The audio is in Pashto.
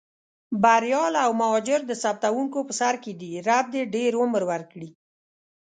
بریال او مهاجر د ثبتوونکو په سر کې دي، رب دې ډېر عمر ورکړي.